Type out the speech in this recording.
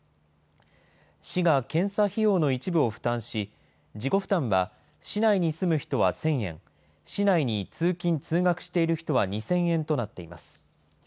市が検査費用の一部を負担し、自己負担は市内に住む人は１０００円、市内に通勤・通学している人は２０００円となっています。